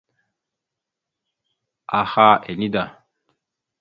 Aha ene da.